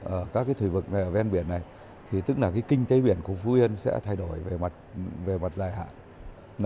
ở các cái thủy vực này ở ven biển này thì tức là cái kinh tế biển của phú yên sẽ thay đổi về mặt dài hạn